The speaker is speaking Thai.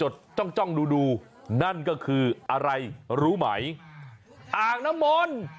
ดูนั่นก็คืออะไรรู้ใหม่อ่างน้ำมนต์